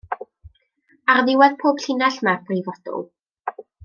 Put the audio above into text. Ar ddiwedd pob llinell mae'r brifodl.